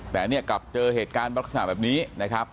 แต่เนี่ยกลับเจอเหตุการณ์ลักษณะแบบนี้นะครับ